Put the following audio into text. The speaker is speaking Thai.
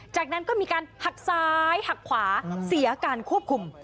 จากนั้นก็มีการหักซ้ายหักขวาเสียการควบคุม